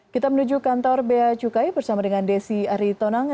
kita menuju kantor bea cukai bersama dengan desi aritonang